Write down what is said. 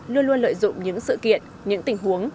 luôn luôn lợi dụng những sự kiện những tình huống